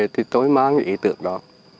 thì tôi mang ý tưởng đó